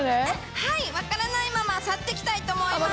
はい分からないまま去って行きたいと思います。